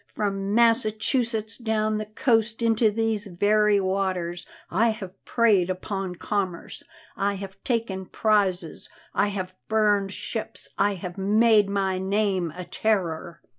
From Massachusetts down the coast into these very waters I have preyed upon commerce, I have taken prizes, I have burned ships, I have made my name a terror."